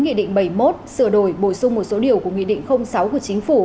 nghị định bảy mươi một sửa đổi bổ sung một số điều của nghị định sáu của chính phủ